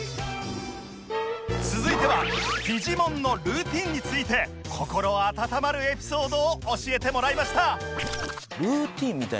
続いてはフィジモンのルーティンについて心温まるエピソードを教えてもらいました